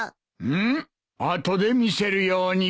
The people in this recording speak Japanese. うむ後で見せるように。